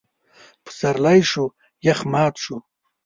پسرلی شو؛ يخ مات شو.